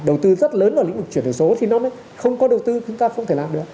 đầu tư rất lớn vào lĩnh vực chuyển đổi số thì nó mới không có đầu tư chúng ta không thể làm được